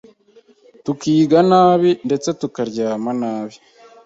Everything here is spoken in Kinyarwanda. tukiga nabi ndetse tukaryama nabi,